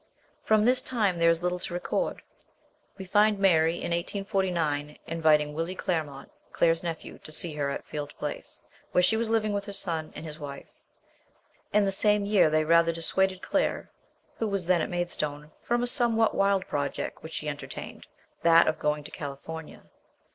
From this time there is little to record. We find Mary in 1849 inviting Willie Clairmont, Claire's nephew, to see her at Field Place, where she was living with her son and his wife. In the same year they rather dissuaded Claire, who was then at Maid stone, from a somewhat wild project which she enter tained, that of going to California.